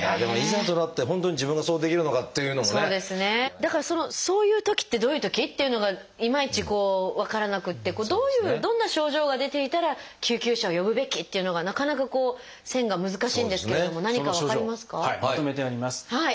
だからその「そういうときってどういうとき」っていうのがいまいちこう分からなくってどういうどんな症状が出ていたら救急車を呼ぶべきっていうのがなかなか線が難しいんですけれども何か分かりますか？